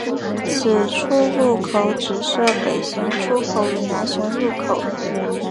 此出入口只设北行出口与南行入口。